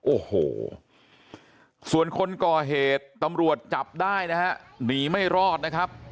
โอ้โหส่วนคนก่อเหตุตำรวจจับได้นะฮะหนีไม่รอดนะครับ